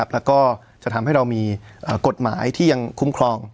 แล้วก็จะทำให้เรามีกฎหมายที่ยังคุ้มครอง